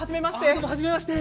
どうもはじめまして。